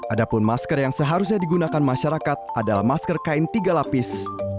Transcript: ada pun masker yang seharusnya digunakan masyarakat adalah masker kain tiga lapis